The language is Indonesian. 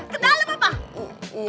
ke dalam apa